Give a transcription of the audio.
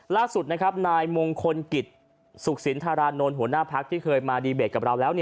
ล่าสุดนะครับนายมงคลกิจสุขสินธารานนท์หัวหน้าพักที่เคยมาดีเบตกับเราแล้ว